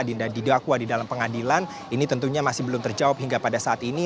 didakwa di dalam pengadilan ini tentunya masih belum terjawab hingga pada saat ini